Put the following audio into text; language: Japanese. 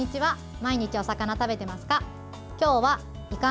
毎日、お魚食べてますか。